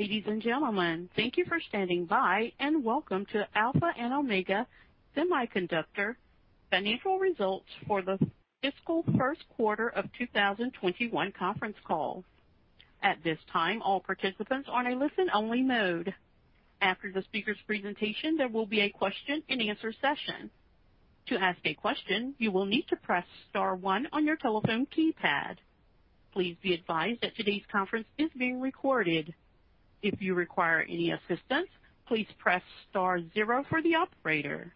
Ladies and gentlemen, thank you for standing by, and welcome to Alpha and Omega Semiconductor financial results for the fiscal first quarter of 2021 conference call. At this time, all participants are in a listen-only mode. After the speaker's presentation, there will be a question and answer session. To ask a question, you will need to press star one on your telephone keypad. Please be advised that today's conference is being recorded. If you require any assistance, please press star zero for the operator.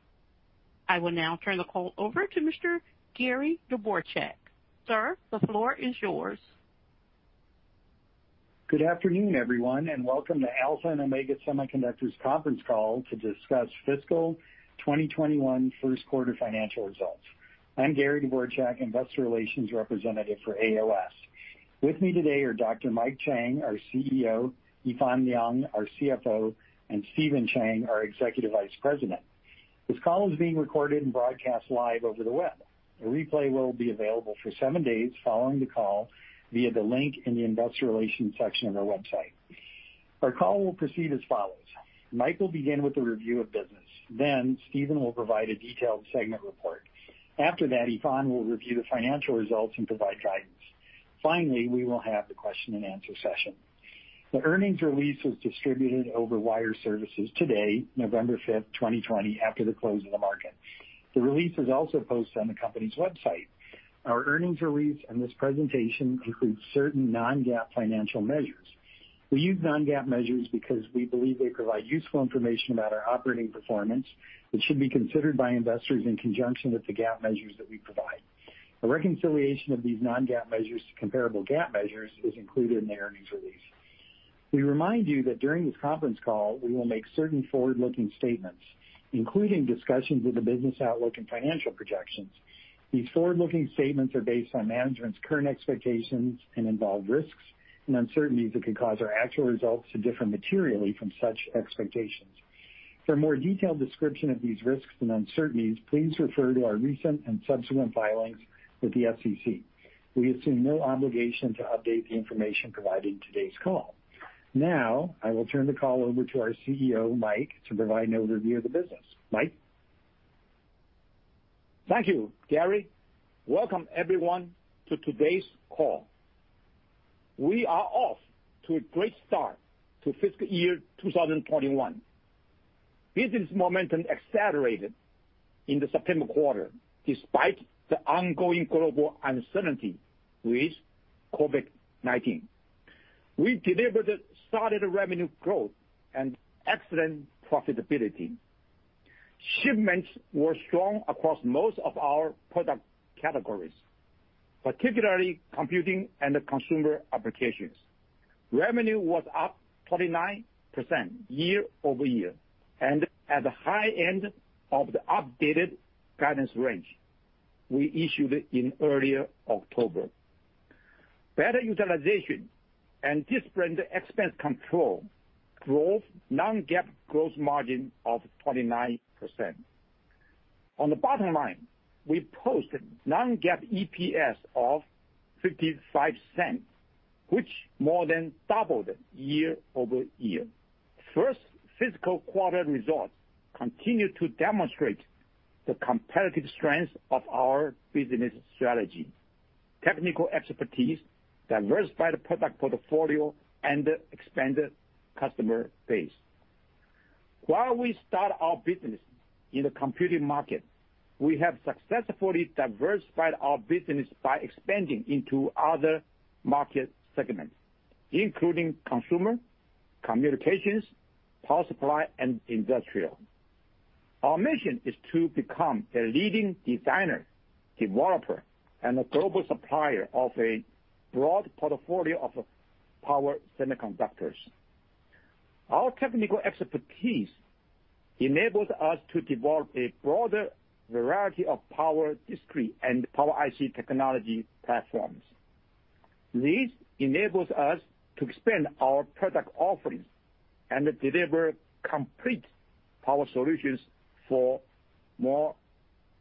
I will now turn the call over to Mr. Gary Dvorchak. Sir, the floor is yours. Good afternoon, everyone, and welcome to Alpha and Omega Semiconductor's conference call to discuss fiscal 2021 first quarter financial results. I'm Gary Dvorchak, Investor Relations Representative for AOS. With me today are Dr. Mike Chang, our CEO; Yifan Liang, our CFO; Steven Chang, our Executive Vice President. This call is being recorded and broadcast live over the web. A replay will be available for seven days following the call via the link in the investor relations section of our website. Our call will proceed as follows. Mike will begin with a review of business, then Steven will provide a detailed segment report. After that, Yifan will review the financial results and provide guidance. Finally, we will have the question and answer session. The earnings release was distributed over wire services today, November 5th, 2020, after the close of the market. The release is also posted on the company's website. Our earnings release and this presentation include certain non-GAAP financial measures. We use non-GAAP measures because we believe they provide useful information about our operating performance that should be considered by investors in conjunction with the GAAP measures that we provide. A reconciliation of these non-GAAP measures to comparable GAAP measures is included in the earnings release. We remind you that during this conference call, we will make certain forward-looking statements, including discussions of the business outlook and financial projections. These forward-looking statements are based on management's current expectations and involve risks and uncertainties that could cause our actual results to differ materially from such expectations. For a more detailed description of these risks and uncertainties, please refer to our recent and subsequent filings with the SEC. We assume no obligation to update the information provided in today's call. Now, I will turn the call over to our CEO, Mike, to provide an overview of the business. Mike? Thank you, Gary. Welcome everyone to today's call. We are off to a great start to fiscal year 2021. Business momentum accelerated in the September quarter, despite the ongoing global uncertainty with COVID-19. We delivered a solid revenue growth and excellent profitability. Shipments were strong across most of our product categories, particularly computing and consumer applications. Revenue was up 29% year-over-year. At the high end of the updated guidance range we issued in earlier October, better utilization and disciplined expense control drove non-GAAP growth margin of 29%. On the bottom line, we posted non-GAAP EPS of $0.55, which more than doubled year-over-year. First fiscal quarter results continue to demonstrate the competitive strength of our business strategy, technical expertise, diversified product portfolio, and expanded customer base. While we start our business in the computing market, we have successfully diversified our business by expanding into other market segments, including consumer, communications, power supply, and industrial. Our mission is to become a leading designer, developer, and a global supplier of a broad portfolio of power semiconductors. Our technical expertise enables us to develop a broader variety of power discrete and Power IC technology platforms. This enables us to expand our product offerings and deliver complete power solutions for more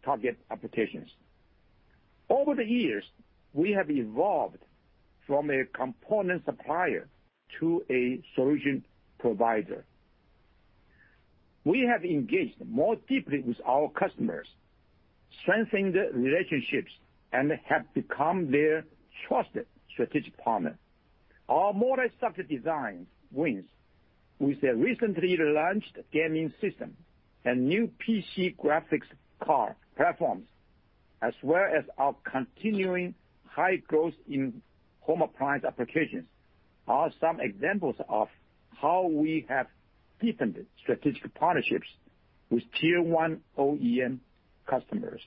target applications. Over the years, we have evolved from a component supplier to a solution provider. We have engaged more deeply with our customers, strengthened relationships, and have become their trusted strategic partner. Our more structured design wins with a recently launched gaming system and new PC graphics card platforms, as well as our continuing high growth in home appliance applications, are some examples of how we have deepened strategic partnerships with Tier 1 OEM customers.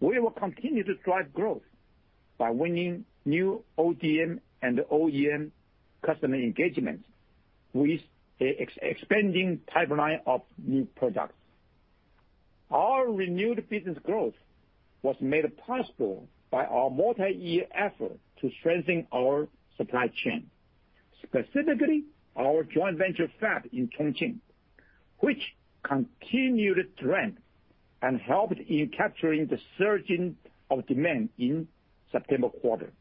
We will continue to drive growth by winning new ODM and OEM customer engagement with an expanding pipeline of new products. Our renewed business growth was made possible by our multi-year effort to strengthen our supply chain, specifically our joint venture fab in Chongqing, which continued trend and helped in capturing the surging of demand in September quarter.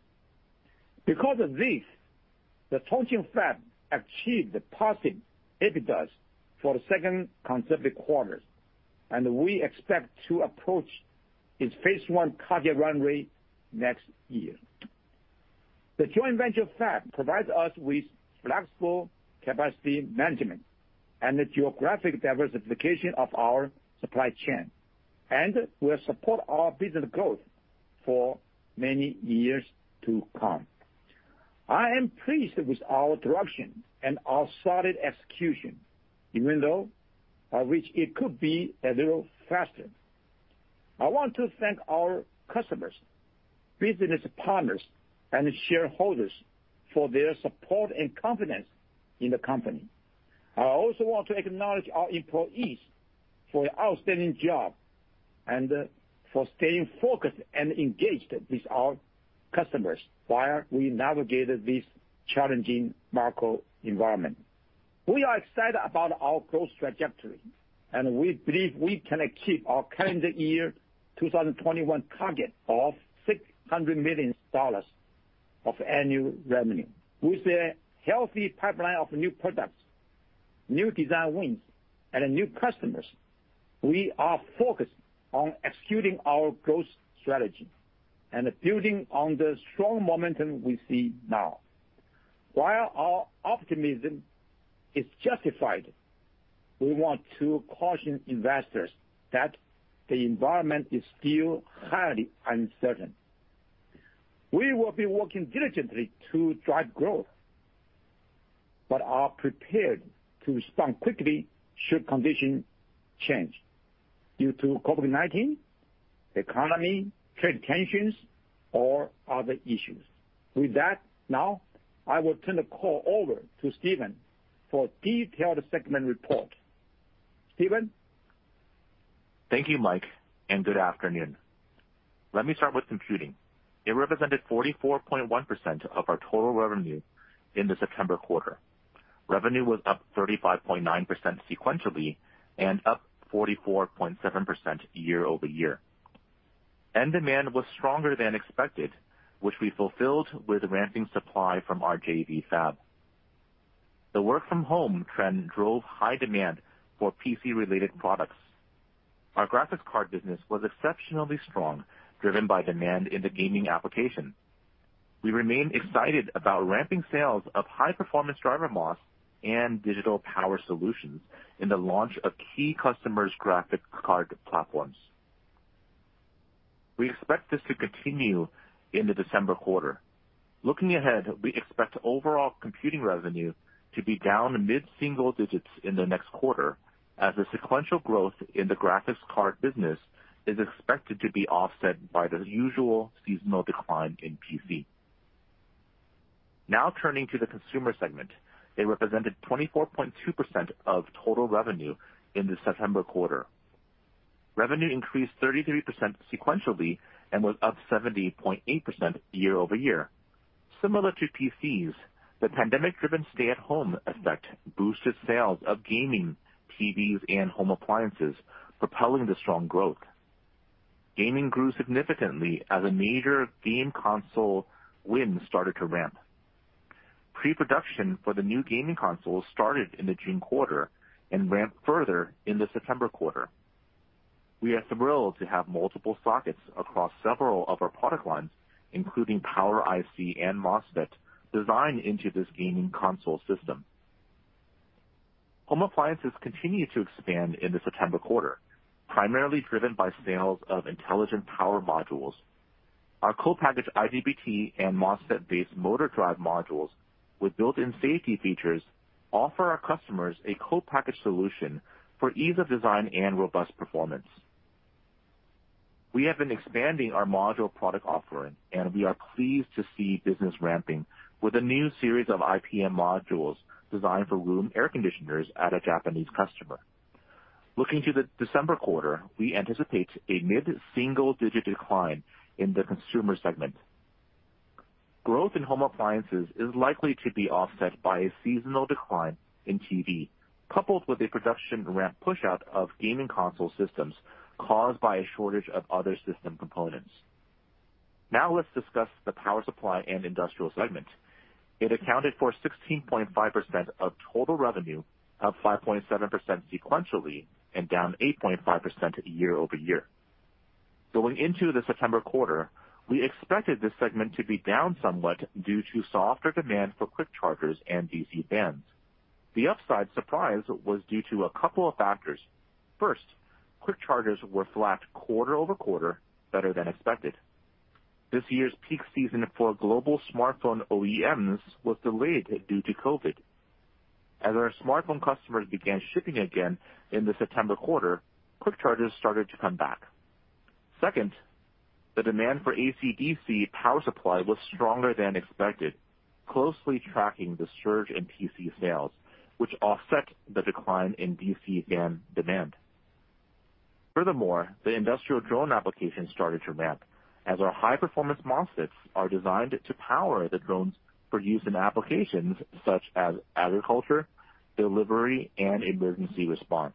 Because of this, the Chongqing fab achieved positive EBITDAs for the second consecutive quarters, and we expect to approach its phase I target runway next year. The joint venture fab provides us with flexible capacity management and the geographic diversification of our supply chain, and will support our business growth for many years to come. I am pleased with our direction and our solid execution, even though I wish it could be a little faster. I want to thank our customers, business partners, and shareholders for their support and confidence in the company. I also want to acknowledge our employees for the outstanding job and for staying focused and engaged with our customers while we navigated this challenging macro environment. We are excited about our growth trajectory, and we believe we can keep our calendar year 2021 target of $600 million of annual revenue. With a healthy pipeline of new products, new design wins, and new customers, we are focused on executing our growth strategy and building on the strong momentum we see now. While our optimism is justified, we want to caution investors that the environment is still highly uncertain. We will be working diligently to drive growth, but are prepared to respond quickly should conditions change due to COVID-19, economy, trade tensions, or other issues. With that, now I will turn the call over to Steven for detailed segment report. Steven? Thank you, Mike, and good afternoon. Let me start with computing. It represented 44.1% of our total revenue in the September quarter. Revenue was up 35.9% sequentially and up 44.7% year-over-year. End demand was stronger than expected, which we fulfilled with ramping supply from our JV fab. The work-from-home trend drove high demand for PC related products. Our graphics card business was exceptionally strong, driven by demand in the gaming application. We remain excited about ramping sales of high performance DrMOS and Digital Power solutions in the launch of key customers' graphics card platforms. We expect this to continue in the December quarter. Looking ahead, we expect overall computing revenue to be down mid-single digits in the next quarter as the sequential growth in the graphics card business is expected to be offset by the usual seasonal decline in PC. Now turning to the consumer segment. It represented 24.2% of total revenue in the September quarter. Revenue increased 33% sequentially and was up 70.8% year-over-year. Similar to PCs, the pandemic driven stay at home effect boosted sales of gaming, TVs, and home appliances, propelling the strong growth. Gaming grew significantly as a major game console win started to ramp. Pre-production for the new gaming consoles started in the June quarter and ramped further in the September quarter. We are thrilled to have multiple sockets across several of our product lines, including Power IC and MOSFET, designed into this gaming console system. Home appliances continued to expand in the September quarter, primarily driven by sales of Intelligent Power Modules. Our co-package IGBT and MOSFET-based motor drive modules with built-in safety features offer our customers a co-package solution for ease of design and robust performance. We have been expanding our module product offering, and we are pleased to see business ramping with a new series of IPM modules designed for room air conditioners at a Japanese customer. Looking to the December quarter, we anticipate a mid-single digit decline in the consumer segment. Growth in home appliances is likely to be offset by a seasonal decline in TV, coupled with a production ramp push out of gaming console systems caused by a shortage of other system components. Now let's discuss the power supply and industrial segment. It accounted for 16.5% of total revenue, up 5.7% sequentially and down 8.5% year-over-year. Going into the September quarter, we expected this segment to be down somewhat due to softer demand for quick chargers and DC fans. The upside surprise was due to a couple of factors. First, quick chargers were flat quarter-over-quarter, better than expected. This year's peak season for global smartphone OEMs was delayed due to COVID. As our smartphone customers began shipping again in the September quarter, quick chargers started to come back. Second, the demand for AC/DC power supply was stronger than expected, closely tracking the surge in PC sales, which offset the decline in DC fan demand. The industrial drone application started to ramp as our high-performance MOSFETs are designed to power the drones for use in applications such as agriculture, delivery, and emergency response.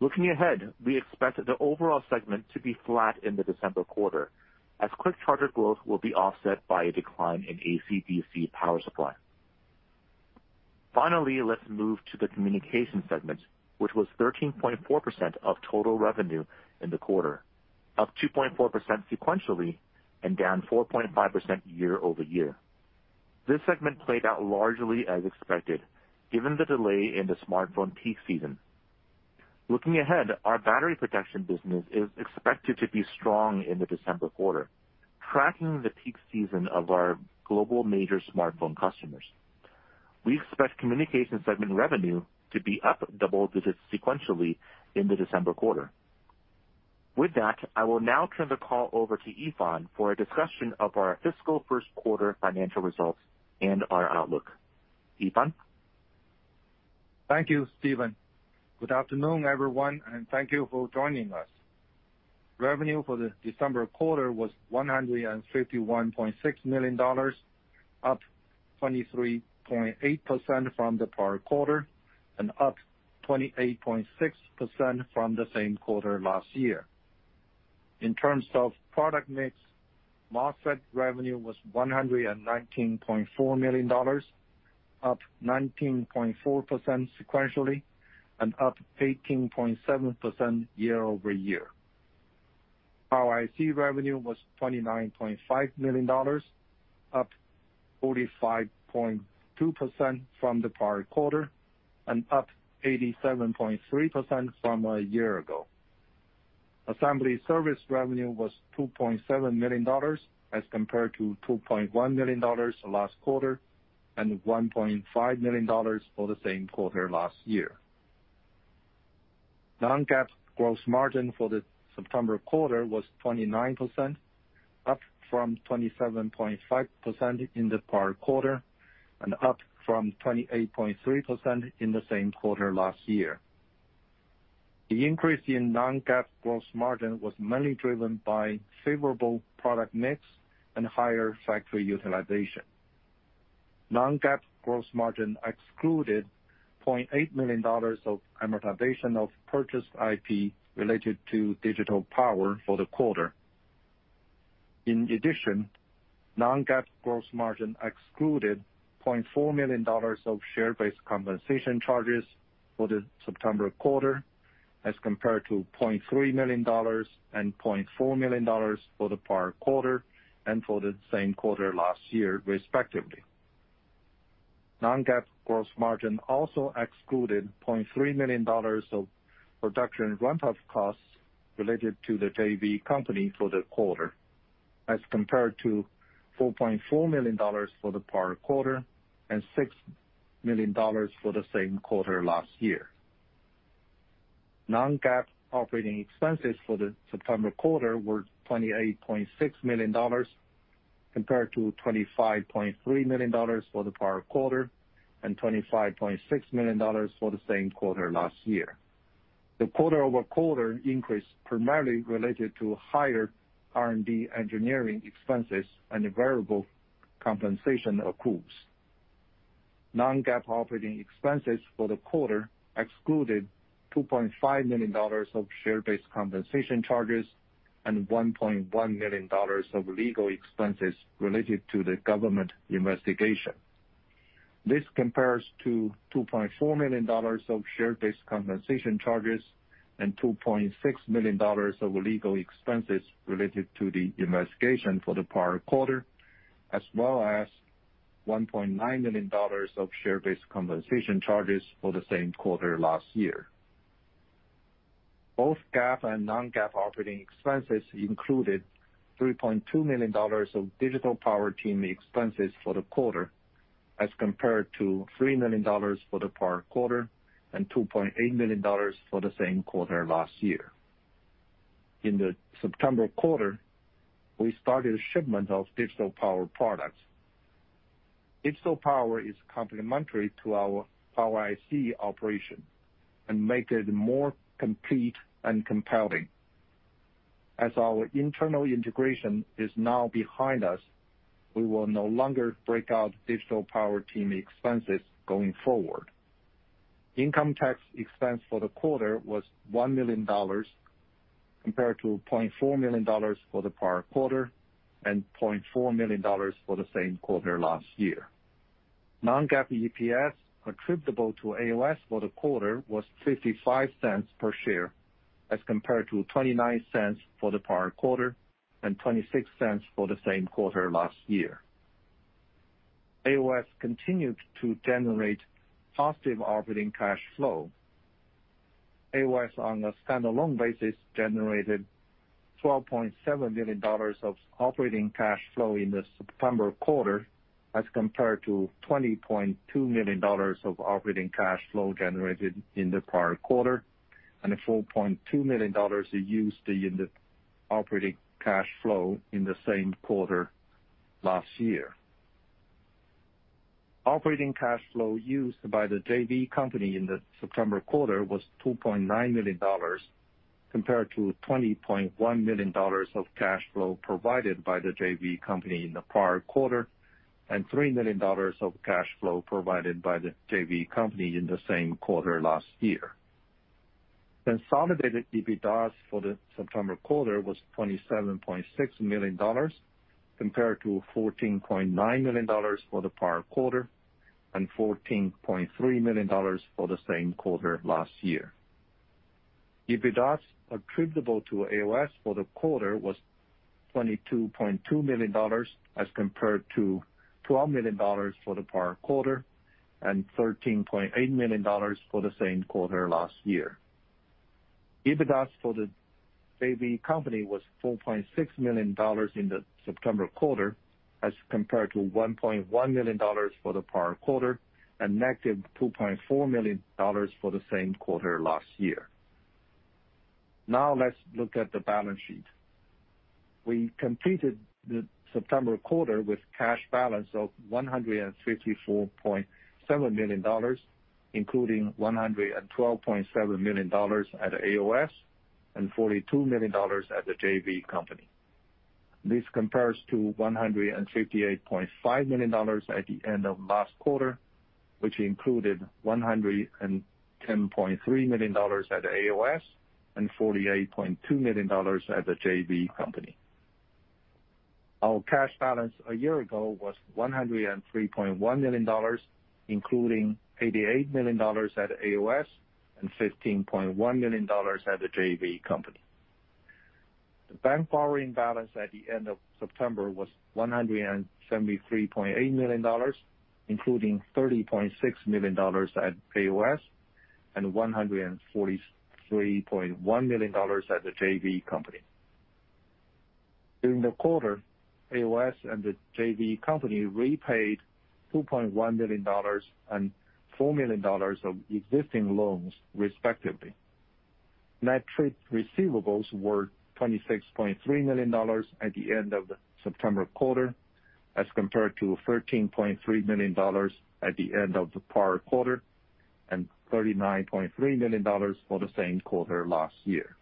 Looking ahead, we expect the overall segment to be flat in the December quarter, as quick charger growth will be offset by a decline in AC/DC power supply. Let's move to the communication segment, which was 13.4% of total revenue in the quarter, up 2.4% sequentially and down 4.5% year-over-year. This segment played out largely as expected, given the delay in the smartphone peak season. Looking ahead, our battery protection business is expected to be strong in the December quarter, tracking the peak season of our global major smartphone customers. We expect communication segment revenue to be up double-digits sequentially in the December quarter. With that, I will now turn the call over to Yifan for a discussion of our fiscal first quarter financial results and our outlook. Yifan? Thank you, Steven. Good afternoon, everyone, and thank you for joining us. Revenue for the December quarter was $151.6 million, up 23.8% from the prior quarter, and up 28.6% from the same quarter last year. In terms of product mix, MOSFET revenue was $119.4 million, up 19.4% sequentially, and up 18.7% year-over-year. Power IC revenue was $29.5 million, up 45.2% from the prior quarter, and up 87.3% from a year ago. Assembly service revenue was $2.7 million as compared to $2.1 million last quarter, and $1.5 million for the same quarter last year. Non-GAAP gross margin for the September quarter was 29%, up from 27.5% in the prior quarter, and up from 28.3% in the same quarter last year. The increase in non-GAAP gross margin was mainly driven by favorable product mix and higher factory utilization. Non-GAAP gross margin excluded $0.8 million of amortization of purchased IP related to Digital Power for the quarter. In addition, non-GAAP gross margin excluded $0.4 million of share-based compensation charges for the September quarter as compared to $0.3 million and $0.4 million for the prior quarter and for the same quarter last year, respectively. Non-GAAP gross margin also excluded $0.3 million of production ramp-up costs related to the JV company for the quarter, as compared to $4.4 million for the prior quarter and $6 million for the same quarter last year. Non-GAAP operating expenses for the September quarter were $28.6 million, compared to $25.3 million for the prior quarter and $25.6 million for the same quarter last year. The quarter-over-quarter increase primarily related to higher R&D engineering expenses and variable compensation accruals. Non-GAAP operating expenses for the quarter excluded $2.5 million of share-based compensation charges and $1.1 million of legal expenses related to the government investigation. This compares to $2.4 million of share-based compensation charges and $2.6 million of legal expenses related to the investigation for the prior quarter, as well as $1.9 million of share-based compensation charges for the same quarter last year. Both GAAP and non-GAAP operating expenses included $3.2 million of Digital Power team expenses for the quarter, as compared to $3 million for the prior quarter and $2.8 million for the same quarter last year. In the September quarter, we started shipment of Digital Power products. Digital Power is complementary to our Power IC operation and make it more complete and compelling. As our internal integration is now behind us, we will no longer break out Digital Power team expenses going forward. Income tax expense for the quarter was $1 million, compared to $0.4 million for the prior quarter and $0.4 million for the same quarter last year. non-GAAP EPS attributable to AOS for the quarter was $0.55 per share as compared to $0.29 for the prior quarter and $0.26 for the same quarter last year. AOS continued to generate positive operating cash flow. AOS, on a standalone basis, generated $12.7 million of operating cash flow in the September quarter as compared to $20.2 million of operating cash flow generated in the prior quarter, and a $4.2 million used in the operating cash flow in the same quarter last year. Operating cash flow used by the JV company in the September quarter was $2.9 million, compared to $20.1 million of cash flow provided by the JV company in the prior quarter, and $3 million of cash flow provided by the JV company in the same quarter last year. Consolidated EBITDAs for the September quarter was $27.6 million, compared to $14.9 million for the prior quarter and $14.3 million for the same quarter last year. EBITDAs attributable to AOS for the quarter was $22.2 million, as compared to $12 million for the prior quarter and $13.8 million for the same quarter last year. EBITDAs for the JV company was $4.6 million in the September quarter as compared to $1.1 million for the prior quarter and -$2.4 million for the same quarter last year. Let's look at the balance sheet. We completed the September quarter with cash balance of $154.7 million, including $112.7 million at AOS and $42 million at the JV company. This compares to $158.5 million at the end of last quarter, which included $110.3 million at AOS and $48.2 million at the JV company. Our cash balance a year ago was $103.1 million, including $88 million at AOS and $15.1 million at the JV company. The bank borrowing balance at the end of September was $173.8 million, including $30.6 million at AOS and $143.1 million at the JV company. During the quarter, AOS and the JV company repaid $2.1 million and $4 million of existing loans, respectively. Net trade receivables were $26.3 million at the end of the September quarter, as compared to $13.3 million at the end of the prior quarter, and $39.3 million for the same quarter last year.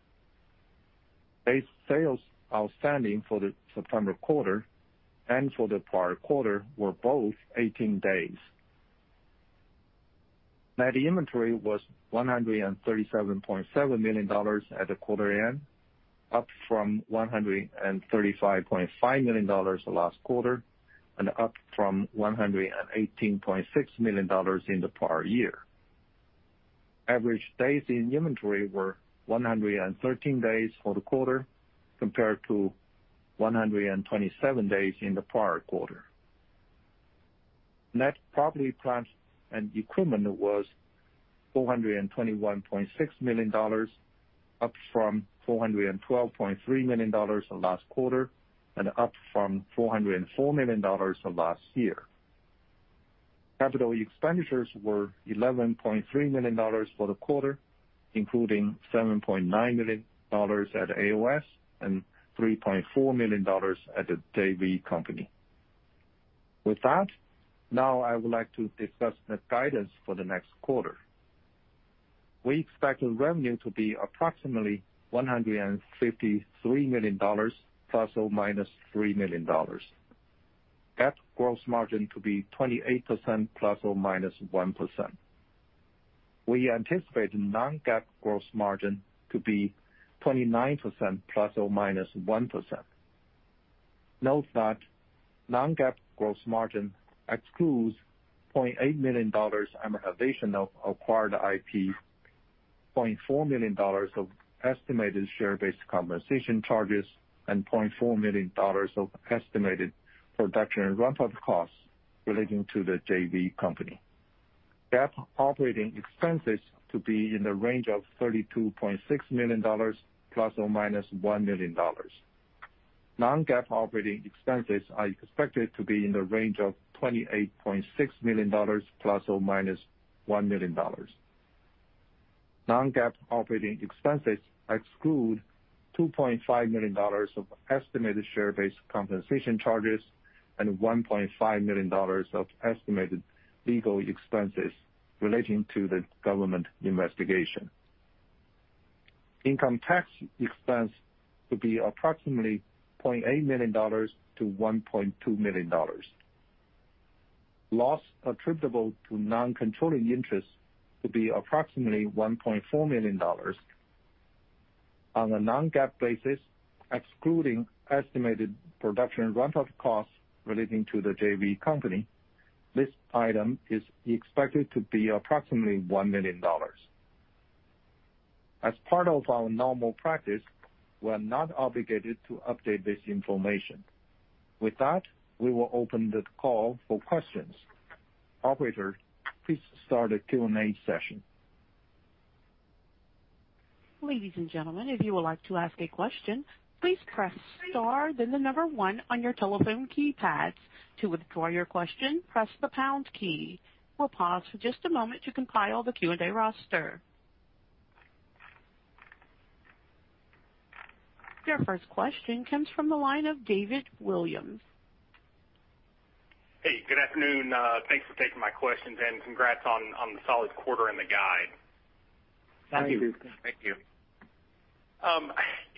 Days sales outstanding for the September quarter and for the prior quarter were both 18 days. Net inventory was $137.7 million at the quarter end, up from $135.5 million last quarter, and up from $118.6 million in the prior year. Average days in inventory were 113 days for the quarter, compared to 127 days in the prior quarter. Net property plant and equipment was $421.6 million, up from $412.3 million last quarter, and up from $404 million last year. Capital expenditures were $11.3 million for the quarter, including $7.9 million at AOS and $3.4 million at the JV company. With that, now I would like to discuss the guidance for the next quarter. We expect the revenue to be approximately $153 million ±$3 million. GAAP gross margin to be 28% ±1%. We anticipate non-GAAP gross margin to be 29% ±1%. Note that non-GAAP gross margin excludes $0.8 million amortization of acquired IP, $0.4 million of estimated share-based compensation charges, and $0.4 million of estimated production and runoff costs relating to the JV company. GAAP operating expenses to be in the range of $32.6 million ±$1 million. Non-GAAP operating expenses are expected to be in the range of $28.6 million ±$1 million. Non-GAAP operating expenses exclude $2.5 million of estimated share-based compensation charges and $1.5 million of estimated legal expenses relating to the government investigation. Income tax expense to be approximately $0.8 million-$1.2 million. Loss attributable to non-controlling interests to be approximately $1.4 million. On a non-GAAP basis, excluding estimated production runoff costs relating to the JV company, this item is expected to be approximately $1 million. As part of our normal practice, we're not obligated to update this information. With that, we will open the call for questions. Operator, please start the Q&A session. Ladies and gentlemen, if you would like to ask a question, please press star then the number 1 on your telephone keypads. To withdraw your question, press the pound key. We'll pause for just a moment to compile the Q&A roster. Your first question comes from the line of David Williams. Hey, good afternoon. Thanks for taking my questions, and congrats on the solid quarter and the guide. Thank you.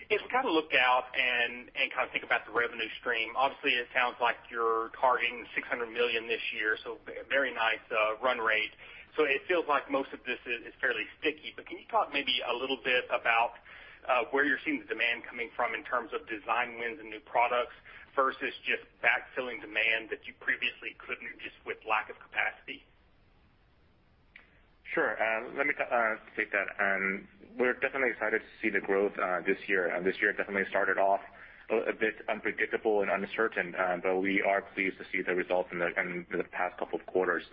If we look out and think about the revenue stream, obviously, it sounds like you're targeting $600 million this year, very nice run rate. Can you talk maybe a little bit about where you're seeing the demand coming from in terms of design wins and new products versus just backfilling demand that you previously couldn't just with lack of capacity? Sure. Let me take that. We're definitely excited to see the growth this year. This year definitely started off a bit unpredictable and uncertain. We are pleased to see the results in the past couple of quarters.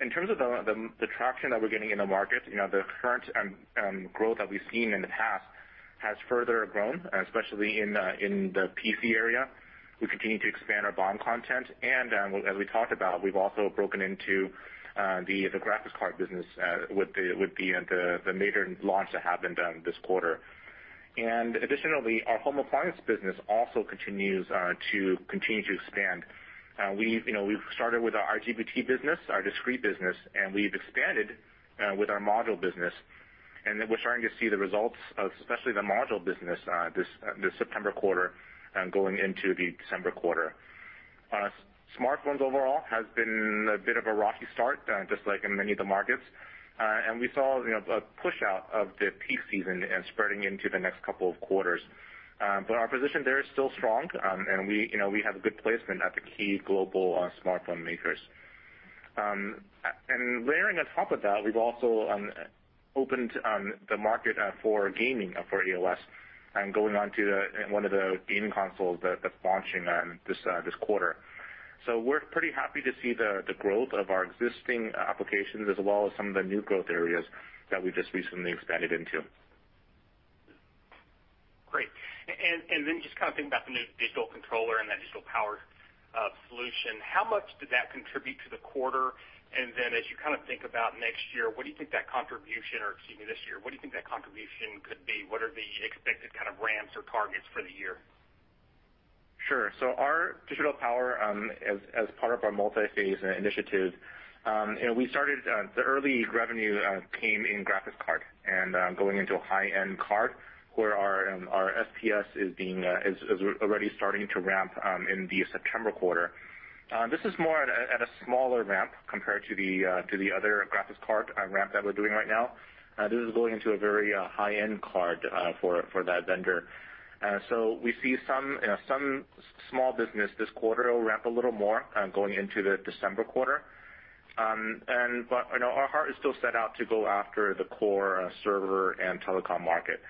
In terms of the traction that we're getting in the market, the current growth that we've seen in the past has further grown, especially in the PC area. We continue to expand our board content. As we talked about, we've also broken into the graphics card business with the major launch that happened this quarter. Additionally, our home appliance business also continues to expand. We've started with our IGBT business, our discrete business, and we've expanded with our module business, and we're starting to see the results of especially the module business this September quarter going into the December quarter. Smartphones overall has been a bit of a rocky start, just like in many of the markets. We saw a push out of the peak season and spreading into the next couple of quarters. Our position there is still strong, and we have a good placement at the key global smartphone makers. Layering on top of that, we've also opened the market for gaming for AOS and going on to one of the gaming consoles that's launching this quarter. We're pretty happy to see the growth of our existing applications as well as some of the new growth areas that we just recently expanded into. Great. Just thinking about the new digital controller and that Digital Power solution, how much did that contribute to the quarter? As you think about this year, what do you think that contribution could be? What are the expected ramps or targets for the year? Sure. Our Digital Power, as part of our multi-phase initiative, the early revenue came in graphics card and going into a high-end card where our SPS is already starting to ramp in the September quarter. This is more at a smaller ramp compared to the other graphics card ramp that we're doing right now. This is going into a very high-end card for that vendor. We see some small business this quarter. It'll ramp a little more going into the December quarter. Our heart is still set out to go after the core server and telecom market.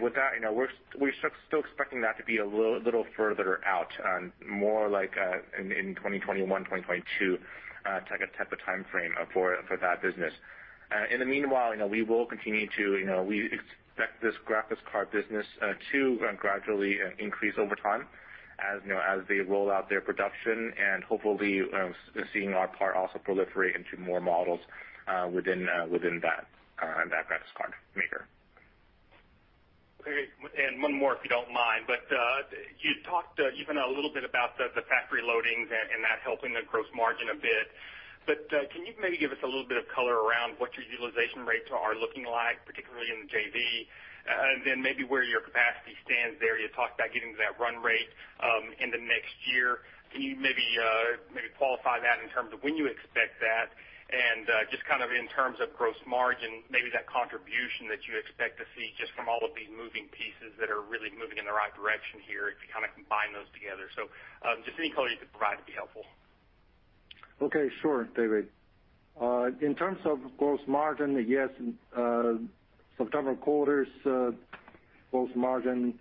With that, we're still expecting that to be a little further out, more like in 2021, 2022 type of timeframe for that business. In the meanwhile, we expect this graphics card business to gradually increase over time as they roll out their production and hopefully, seeing our part also proliferate into more models within that graphics card maker. Okay. One more, if you don't mind. You talked even a little bit about the factory loadings and that helping the gross margin a bit. Can you maybe give us a little bit of color around what your utilization rates are looking like, particularly in the JV, and then maybe where your capacity stands there? You talked about getting to that run rate in the next year. Can you maybe qualify that in terms of when you expect that and just in terms of gross margin, maybe that contribution that you expect to see just from all of these moving pieces that are really moving in the right direction here, if you combine those together. Just any color you could provide would be helpful. Okay, sure, David. In terms of gross margin, yes, September quarter's gross margin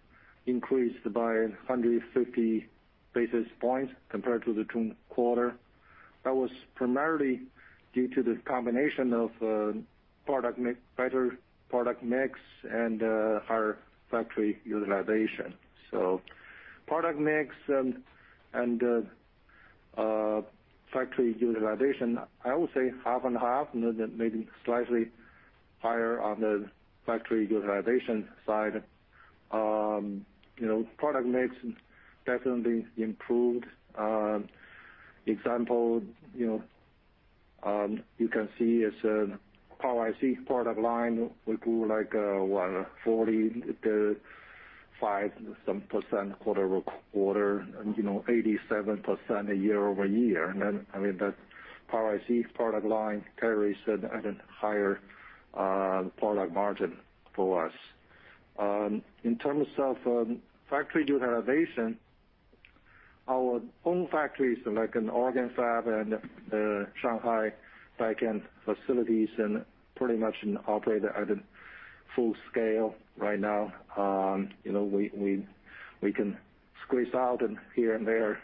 increased by 150 basis points compared to the June quarter. That was primarily due to the combination of better product mix and higher factory utilization. Product mix and factory utilization, I would say half and half, maybe slightly higher on the factory utilization side. Product mix definitely improved. Example, you can see as a Power IC product line, we grew like 45% quarter-over-quarter and 87% year-over-year. That Power IC product line carries a higher product margin for us. In terms of factory utilization, our own factories, like in Oregon fab and the Shanghai backend facilities pretty much operate at a full scale right now. We can squeeze out here and there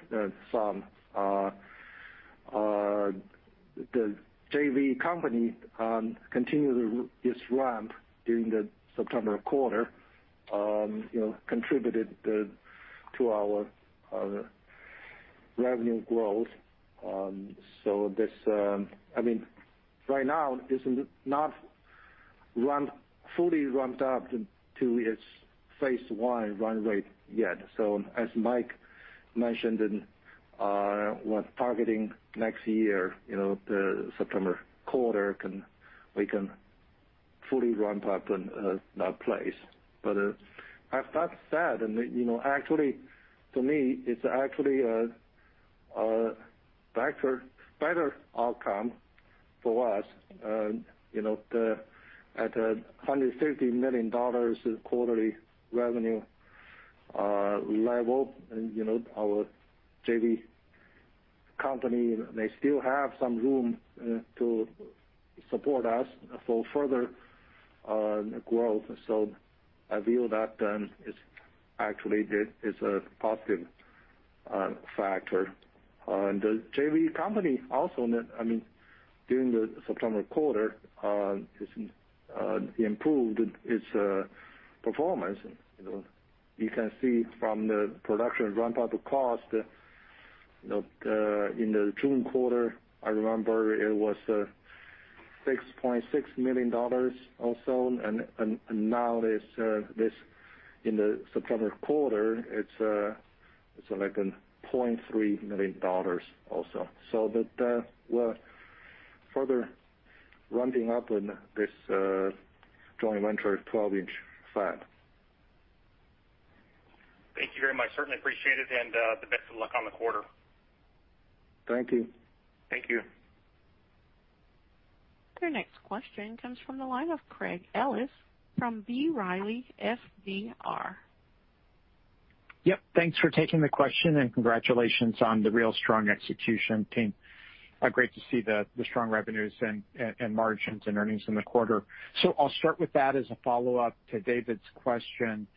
some. The JV company continued its ramp during the September quarter, contributed to our. Revenue growth. Right now, it's not fully ramped up to its phase I run rate yet. As Mike mentioned, we're targeting next year, the September quarter, we can fully ramp up in that place. As that's said, to me, it's actually a better outcome for us. At $130 million in quarterly revenue level, our JV company, they still have some room to support us for further growth. I view that as actually a positive factor. The JV company also, during the September quarter, improved its performance. You can see from the production ramp-up cost in the June quarter, I remember it was $6.6 million also, and now in the September quarter, it's $0.3 million also. We're further ramping up in this joint venture 12-inch fab. Thank you very much. Certainly appreciate it, and the best of luck on the quarter. Thank you. Thank you. Your next question comes from the line of Craig Ellis from B. Riley FBR. Yep, thanks for taking the question, and congratulations on the real strong execution, team. Great to see the strong revenues and margins and earnings in the quarter. I'll start with that as a follow-up to David's question.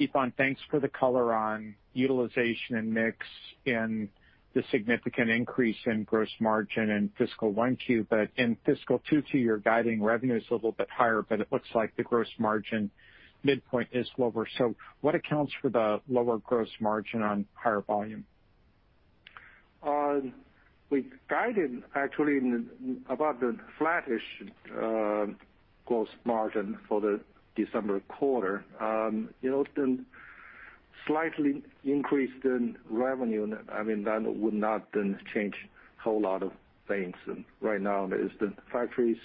Yifan, thanks for the color on utilization and mix and the significant increase in gross margin in fiscal Q1, but in fiscal Q2, you're guiding revenues a little bit higher, but it looks like the gross margin midpoint is lower. What accounts for the lower gross margin on higher volume? We guided actually about the flattish gross margin for the December quarter. The slightly increase in revenue, that would not change whole lot of things. Right now the factories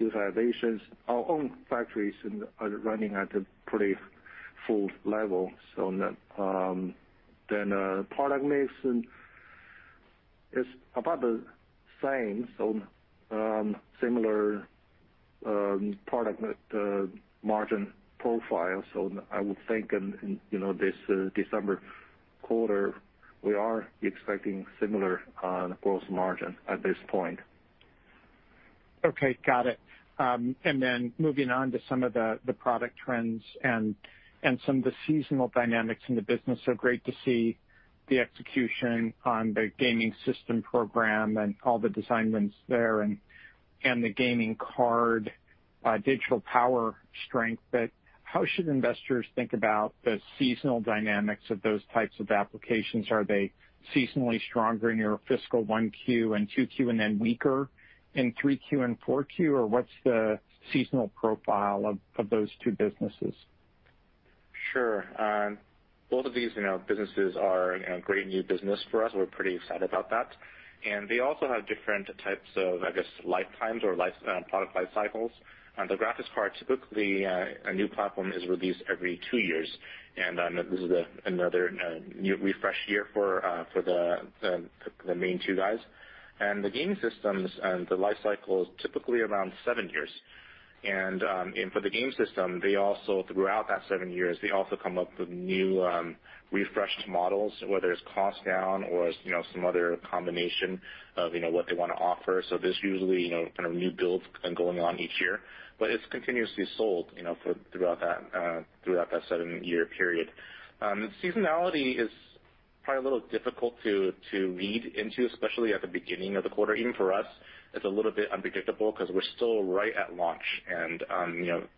utilizations, our own factories are running at a pretty full level. Product mix is about the same, so similar product margin profile. I would think in this December quarter, we are expecting similar gross margin at this point. Okay, got it. Moving on to some of the product trends and some of the seasonal dynamics in the business. Great to see the execution on the gaming system program and all the design wins there and the gaming card Digital Power strength. How should investors think about the seasonal dynamics of those types of applications? Are they seasonally stronger in your fiscal Q1 and Q2 and then weaker in Q3 and Q4? What's the seasonal profile of those two businesses? Sure. Both of these businesses are great new business for us. We're pretty excited about that. They also have different types of, I guess, lifetimes or product life cycles. The graphics card, typically, a new platform is released every two years, and this is another new refresh year for the main two guys. The gaming systems, the life cycle is typically around seven years. For the game system, throughout that seven years, they also come up with new refreshed models, whether it's cost down or some other combination of what they want to offer. There's usually kind of new builds going on each year. It's continuously sold throughout that seven-year period. Seasonality is probably a little difficult to read into, especially at the beginning of the quarter. Even for us, it's a little bit unpredictable because we're still right at launch.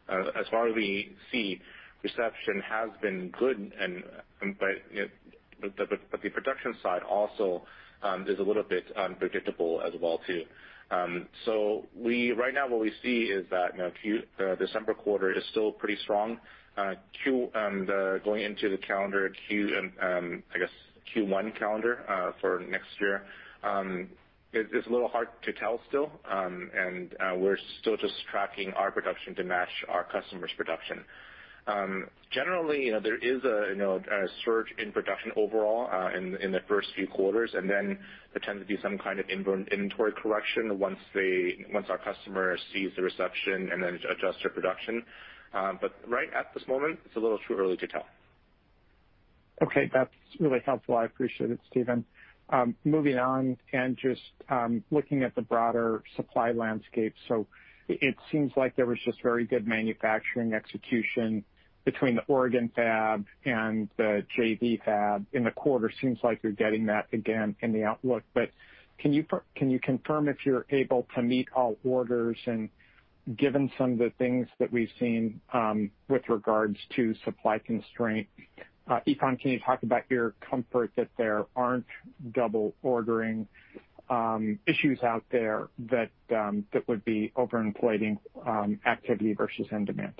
As far as we see, reception has been good but the production side also is a little bit unpredictable as well too. Right now, what we see is that December quarter is still pretty strong. Going into the calendar, I guess Q1 calendar for next year, it's a little hard to tell still. We're still just tracking our production to match our customers' production. Generally, there is a surge in production overall in the first few quarters, and then there tends to be some kind of inventory correction once our customer sees the reception and then adjusts their production. Right at this moment, it's a little too early to tell. Okay, that's really helpful. I appreciate it, Stephen. Moving on, just looking at the broader supply landscape, it seems like there was just very good manufacturing execution between the Oregon fab and the JV fab in the quarter. Seems like you're getting that again in the outlook. Can you confirm if you're able to meet all orders and given some of the things that we've seen with regards to supply constraint, Yifan, can you talk about your comfort that there aren't double ordering issues out there that would be overinflating activity versus end demand?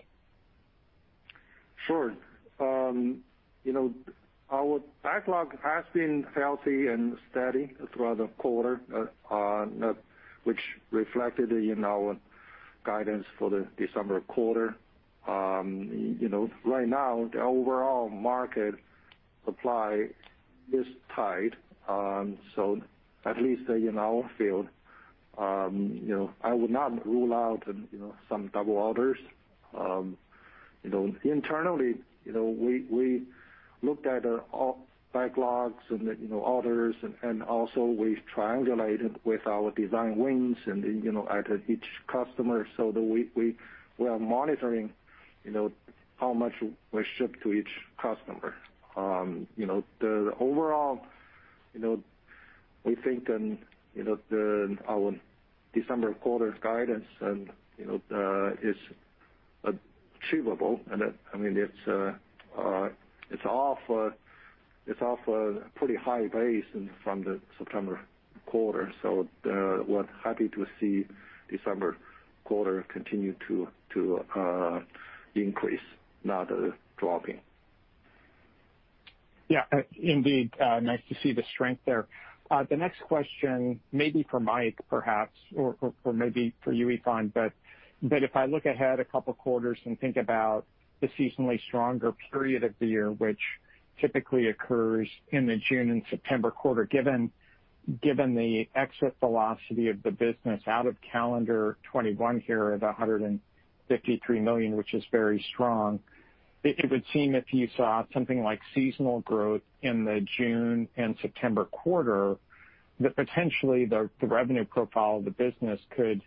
Sure. Our backlog has been healthy and steady throughout the quarter, which reflected in our guidance for the December quarter. Right now, the overall market supply is tight. At least in our field, I would not rule out some double orders. Internally, we looked at our backlogs and orders, and also we triangulated with our design wins and at each customer so that we are monitoring how much we ship to each customer. The overall, we think our December quarter's guidance is achievable, and it's off a pretty high base from the September quarter. We're happy to see December quarter continue to increase, not dropping. Yeah, indeed. Nice to see the strength there. The next question, maybe for Mike, perhaps, or maybe for you, Yifan, if I look ahead a couple of quarters and think about the seasonally stronger period of the year, which typically occurs in the June and September quarter, given the exit velocity of the business out of calendar 2021 here of $153 million, which is very strong, it would seem if you saw something like seasonal growth in the June and September quarter, that potentially the revenue profile of the business could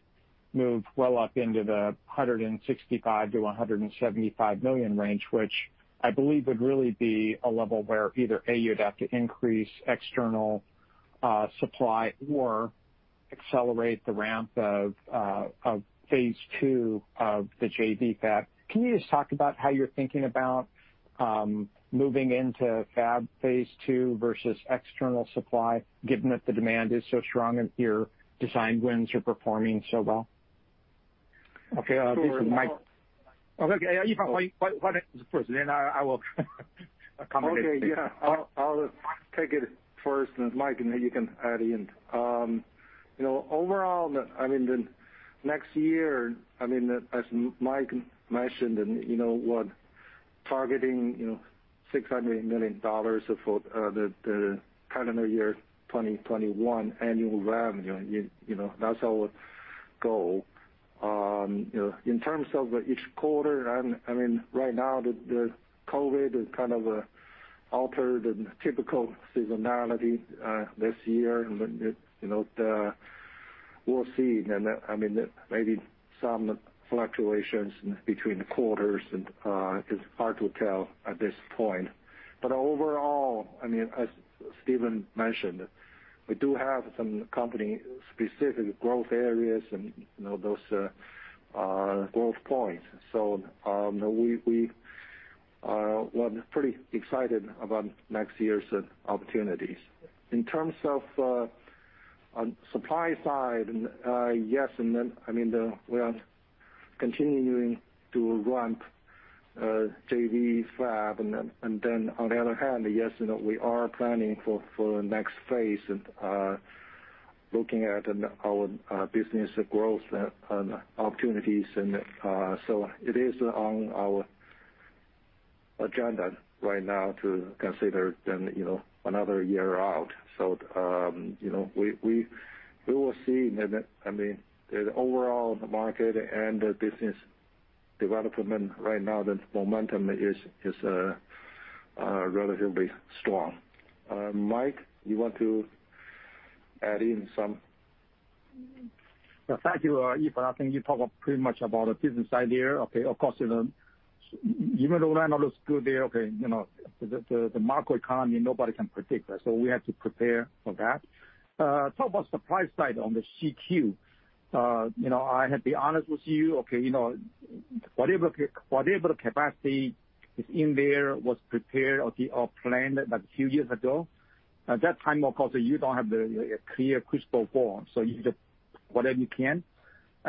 move well up into the $165 million-$175 million range, which I believe would really be a level where either, A, you'd have to increase external supply or accelerate the ramp of phase II of the JV fab. Can you just talk about how you're thinking about moving into fab phase II versus external supply, given that the demand is so strong and your design wins are performing so well? Okay. This is Mike. Sure. Okay. Yifan, why don't you go first, then I will accommodate. Okay, yeah. I'll take it first. Mike, then you can add in. Overall, the next year, as Mike mentioned, we're targeting $600 million for the calendar year 2021 annual revenue. That's our goal. In terms of each quarter, right now, the COVID has kind of altered the typical seasonality this year. We'll see. Maybe some fluctuations between quarters. It's hard to tell at this point. Overall, as Steven mentioned, we do have some company-specific growth areas and those growth points. We are pretty excited about next year's opportunities. In terms of supply side, yes, we are continuing to ramp JV fab. On the other hand, yes, we are planning for the next phase, looking at our business growth and opportunities. It is on our agenda right now to consider another year out. We will see. The overall market and the business development right now, the momentum is relatively strong. Mike, you want to add in some? Thank you, Yifan. I think you talked pretty much about the business idea. Of course, even though right now looks good there, the macroeconomy, nobody can predict that, so we have to prepare for that. Talk about supply side on the Chongqing. I have to be honest with you. Whatever capacity is in there was prepared or planned a few years ago. At that time, of course, you don't have the clear crystal ball, so you just whatever you can.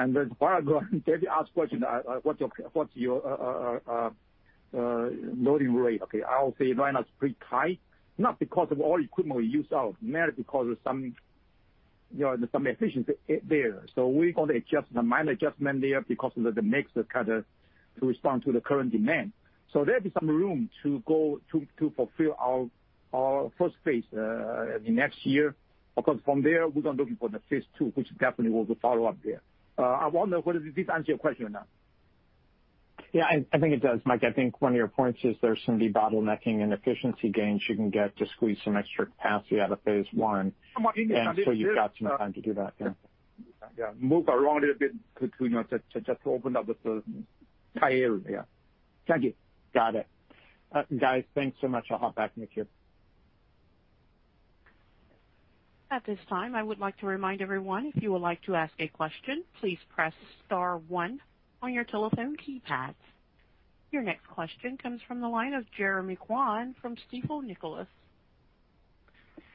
David asked a question, what's your loading rate? Okay. I'll say right now it's pretty tight, not because of all equipment we use out, mainly because of some efficiency there. We got a minor adjustment there because of the mix to respond to the current demand. There'd be some room to fulfill our first phase in next year. Of course, from there, we're going to looking for the phase II, which definitely will follow-up there. I wonder whether this answer your question or not? Yeah, I think it does, Mike. I think one of your points is there's some debottlenecking and efficiency gains you can get to squeeze some extra capacity out of phase I. Come on in. You've got some time to do that. Yeah. Yeah. Move around a little bit to just open up the entire area. Thank you. Got it. Guys, thanks so much. I'll hop back in the queue. At this time, I would like to remind everyone, if you would like to ask a question, please press star one on your telephone keypads. Your next question comes from the line of Jeremy Kwan from Stifel Nicolaus.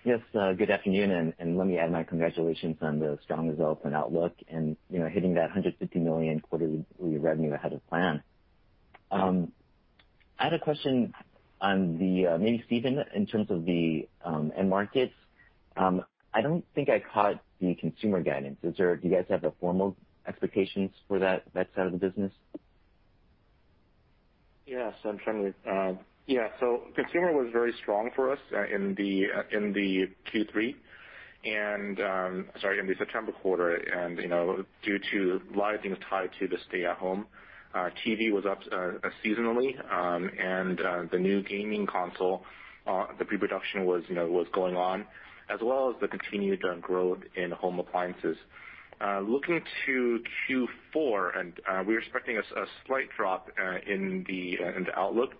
Yes, good afternoon. Let me add my congratulations on the strong results and outlook and, hitting that $150 million quarterly revenue ahead of plan. I had a question on the, maybe Stephen, in terms of the end markets. I don't think I caught the consumer guidance. Do you guys have formal expectations for that side of the business? Yes, consumer was very strong for us in the Q3, and, sorry, in the September quarter. Due to a lot of things tied to the stay at home, TV was up seasonally. The new gaming console, the pre-production was going on, as well as the continued growth in home appliances. Looking to Q4, we're expecting a slight drop in the outlook,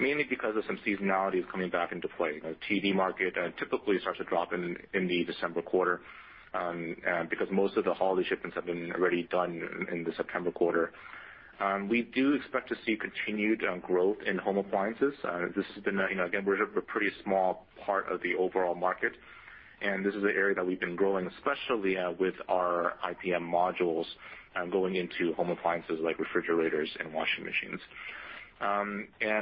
mainly because of some seasonality is coming back into play. The TV market typically starts to drop in the December quarter, because most of the holiday shipments have been already done in the September quarter. We do expect to see continued growth in home appliances. Again, we're a pretty small part of the overall market, and this is an area that we've been growing, especially with our IPM modules, going into home appliances like refrigerators and washing machines.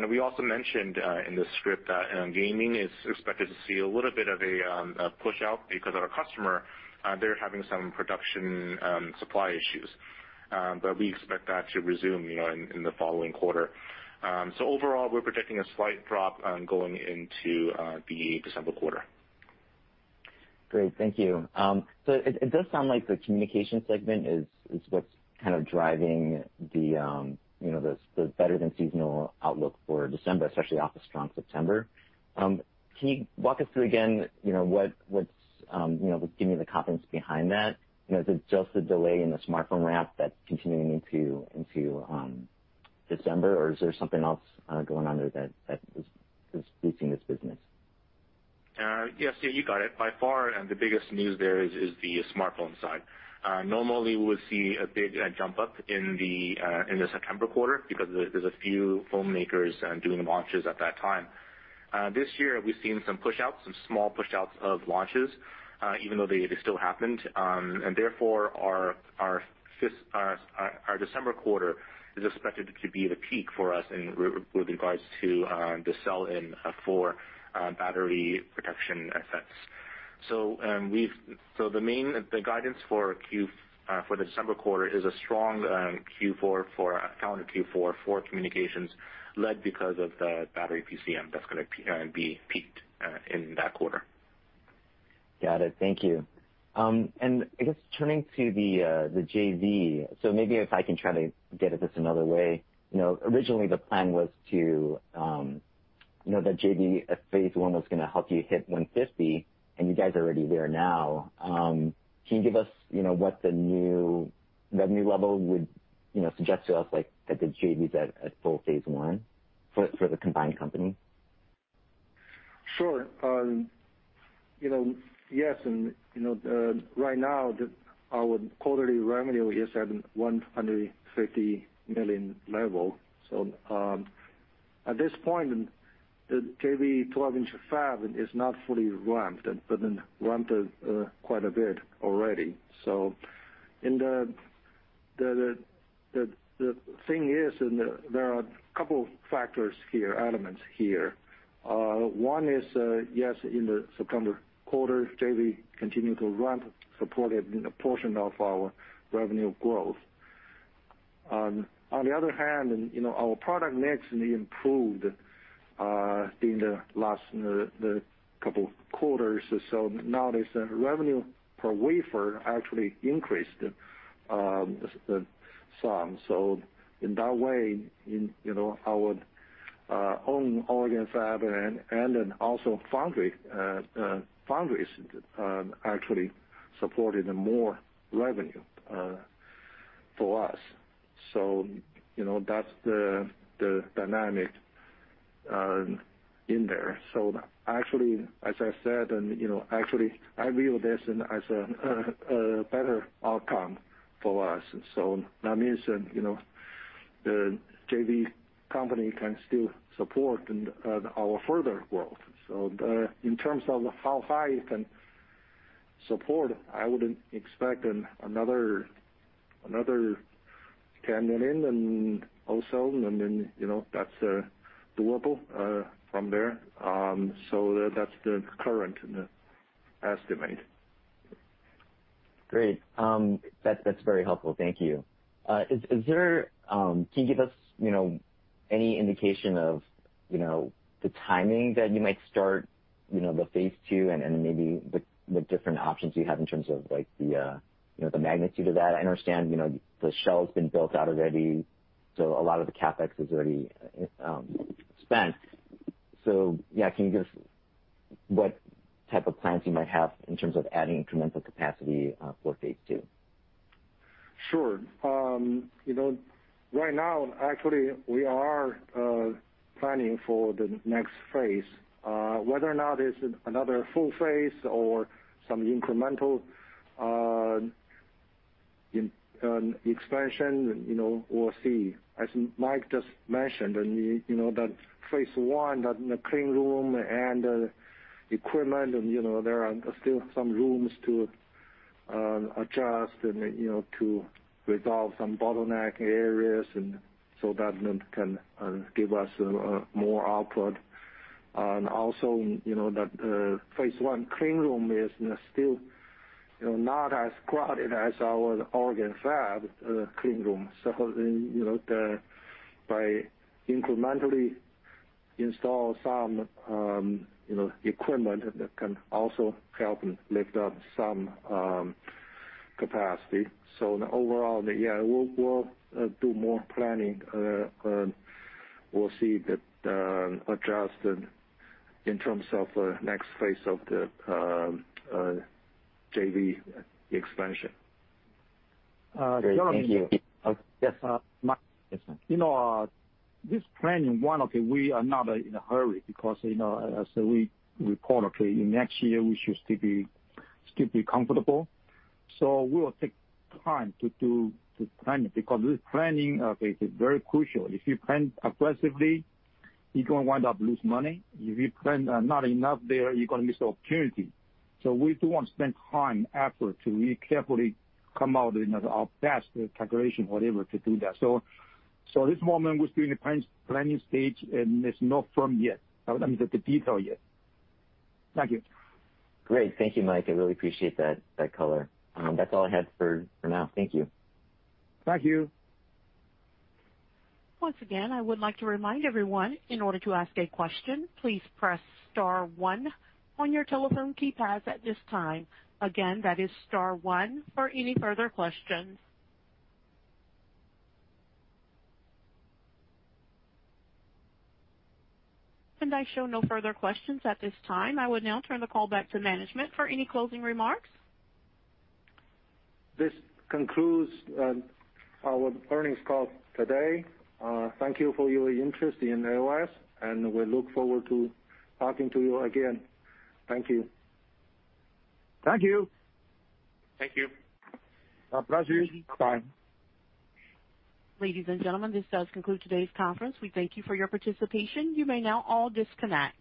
We also mentioned in the script that gaming is expected to see a little bit of a push-out because of our customer. They're having some production supply issues. We expect that to resume in the following quarter. Overall, we're predicting a slight drop going into the December quarter. Great. Thank you. It does sound like the communication segment is what's kind of driving the better than seasonal outlook for December, especially off the strong September. Can you walk us through again, what's giving you the confidence behind that? Is it just the delay in the smartphone ramp that's continuing into December, or is there something else going on there that is boosting this business? Yes. You got it. By far, the biggest news there is the smartphone side. Normally, we would see a big jump up in the September quarter because there's a few phone makers doing launches at that time. This year, we've seen some push-outs, some small push-outs of launches, even though they still happened. Therefore, our December quarter is expected to be the peak for us with regards to the sell-in for battery protection FETs. The guidance for the December quarter is a strong calendar Q4 for communications led because of the battery PCM that's going to be peaked in that quarter. Got it. Thank you. I guess turning to the JV, maybe if I can try to get at this another way. Originally, the plan was, the JV at phase I was going to help you hit $150 million, and you guys are already there now. Can you give us what the new revenue level would suggest to us, like if the JV's at full phase I for the combined company? Sure. Right now, our quarterly revenue is at $150 million level. At this point, the JV 12-inch fab is not fully ramped, but ramped quite a bit already. The thing is, there are a couple of factors here, elements here. One is, in the September quarter, JV continued to ramp, supported a portion of our revenue growth. On the other hand, our product mix improved in the last couple of quarters. Now the revenue per wafer actually increased some. In that way, our own Oregon fab and then also foundries actually supported more revenue for us. That's the dynamic in there. Actually, as I said, actually, I view this as a better outcome for us. That means, the JV company can still support our further growth. In terms of how high it can support, I would expect another $10 million and also, and then that's doable from there. That's the current estimate. Great. That's very helpful. Thank you. Can you give us any indication of the timing that you might start the phase II and maybe the different options you have in terms of the magnitude of that? I understand the shell has been built out already, so a lot of the CapEx is already spent. Yeah, can you give what type of plans you might have in terms of adding incremental capacity for phase II? Sure. Right now, actually, we are planning for the next phase. Whether or not it's another full phase or some incremental expansion, we'll see. As Mike just mentioned, that phase I, that clean room and equipment, and there are still some rooms to adjust and to resolve some bottleneck areas, so that can give us more output. Also, that phase I clean room is still not as crowded as our Oregon fab clean room. By incrementally install some equipment that can also help lift up some capacity. Overall, yeah, we'll do more planning. We'll see the adjust in terms of next phase of the JV expansion. Great. Thank you. Yes. Mike. Yes. This planning, we are not in a hurry because, as we report, in next year, we should still be comfortable. We will take time to plan it, because this planning phase is very crucial. If you plan aggressively, you're going to wind up lose money. If you plan not enough there, you're going to miss the opportunity. We do want to spend time, effort to really carefully come out in our best calculation, whatever, to do that. At this moment, we're still in the planning stage, and it's not firm yet. I mean, the detail yet. Thank you. Great. Thank you, Mike. I really appreciate that color. That's all I had for now. Thank you. Thank you. Once again, I would like to remind everyone, in order to ask a question, please press star one on your telephone keypads at this time. Again, that is star one for any further questions. I show no further questions at this time. I would now turn the call back to management for any closing remarks. This concludes our earnings call today. Thank you for your interest in AOS, and we look forward to talking to you again. Thank you. Thank you. Thank you. Our pleasure. Bye. Ladies and gentlemen, this does conclude today's conference. We thank you for your participation. You may now all disconnect.